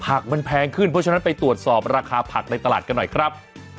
ผักมันแพงขึ้นเพราะฉะนั้นไปตรวจสอบราคาผักในตลาดกันหน่อยครับ